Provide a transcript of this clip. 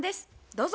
どうぞ。